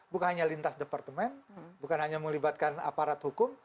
bukan hanya lintas departemen bukan hanya melibatkan aparat hukum